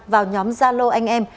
vào nhóm gia lô anh em